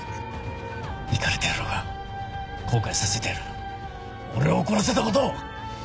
イカれた野郎が後悔させてやる俺を怒らせたことを！